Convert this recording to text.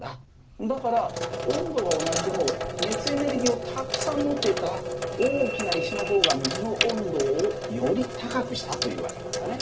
だから温度は同じでも熱エネルギーをたくさん持ってた大きな石の方が水の温度をより高くしたという訳なんだね。